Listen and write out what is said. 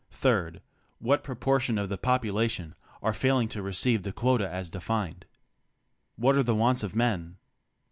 (3) What proportion of the population are faiHng to receive the quota as defined. What are the wants of men?